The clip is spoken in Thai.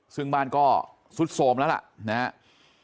ซึ่งบ้านก็สุดโสมแล้วล่ะนะครับ